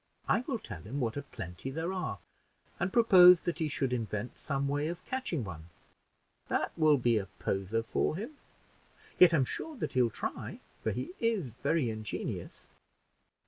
I will tell him what a plenty there are, and propose that he should invent some way of catching one. That will be a poser for him; yet I'm sure that he will try, for he is very ingenious.